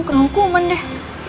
kena hukuman deh